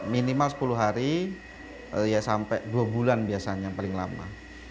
minimal sepuluh hari ya sampai dua bulan biasanya paling lama